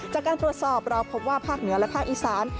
จากการตรวจสอบเราพบว่าภาคเหนือและภาคอีสาน